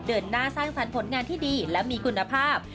เดินหน้าสร้างสรรค์ผลงานที่ดีและมีคุณภาพ